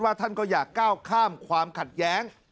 ท่านก็อยากก้าวข้ามความขัดแย้ง